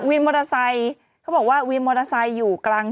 วินมอเตอร์ไซค์เขาบอกว่าวินมอเตอร์ไซค์อยู่กลาง